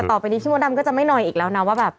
ต่อไปนี้พี่มดดำก็จะไม่หน่อยอีกแล้วนะว่าแบบ